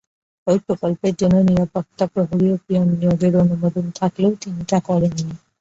ওই প্রকল্পের জন্য নিরাপত্তাপ্রহরী ও পিয়ন নিয়োগের অনুমোদন থাকলেও তিনি তা করেননি।